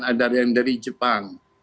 itu jualan dari tkdn